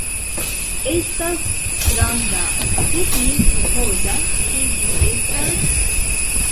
Estas stranga, sed mi supozas ke ĝi estas...